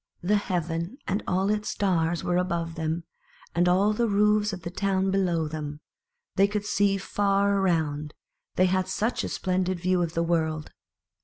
The heaven and all its stars were above them, and all the roofs of the town below them ; they could see far around, they had such a splendid view of the world.